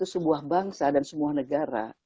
sebuah bangsa dan sebuah negara